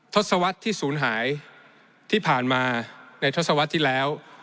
ทศวรรษที่ศูนย์หายที่ผ่านมาในทศวรรษที่แล้ว